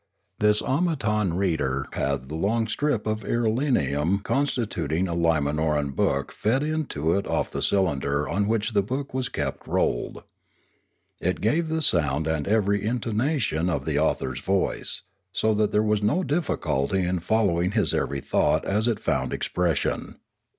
This automaton reader had the long strip of irelium constituting a Limanoran book fed into it off the cylinder on which the book was kept rolled. It gave the sound and every intonation of the author's voice, so that there was no difficulty in follow ing his every thought as it found expression.